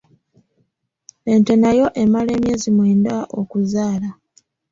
Ente nayo emala emyezi mwenda okuzaala.